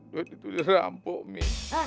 duit itu dirampok mi